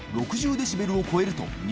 デシベルを超えると⑸鐚圓謀